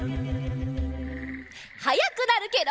はやくなるケロ。